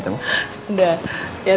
tahan gak apa apa ya